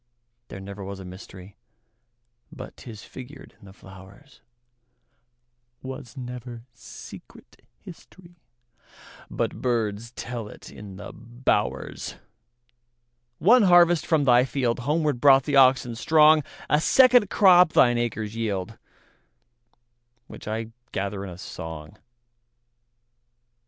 There was never mysteryBut 'tis figured in the flowers; SWas never secret historyBut birds tell it in the bowers. One harvest from thy fieldHomeward brought the oxen strong;A second crop thine acres yield, Which I gather in a song.